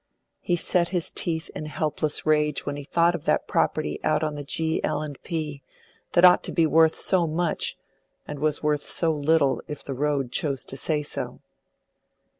He set his teeth in helpless rage when he thought of that property out on the G. L. & P., that ought to be worth so much, and was worth so little if the Road chose to say so.